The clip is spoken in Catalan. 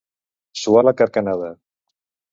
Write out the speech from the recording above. Suar la carcanada.